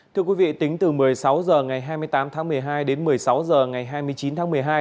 thưa quý vị tính từ một mươi sáu h ngày hai mươi tám tháng một mươi hai đến một mươi sáu h ngày hai mươi chín tháng một mươi hai